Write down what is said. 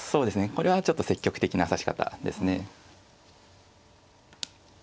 これはちょっと積極的な指し方ですね。